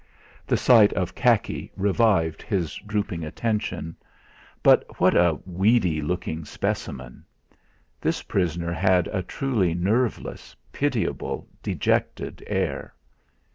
The sight of khaki revived his drooping attention. But what a weedy looking specimen! This prisoner had a truly nerveless pitiable dejected air.